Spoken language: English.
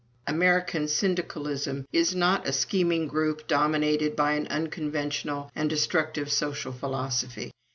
American syndicalism is not a scheming group dominated by an unconventional and destructive social philosophy.